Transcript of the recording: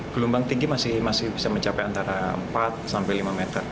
gelombang tinggi masih bisa mencapai antara empat sampai lima meter